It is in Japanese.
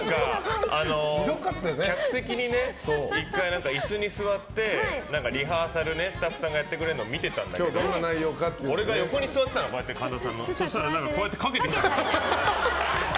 客席に１回、椅子に座ってリハーサル、スタッフさんがやってくれるの見てたんだけど俺が横に座ってたのそうしたら、かけてきた。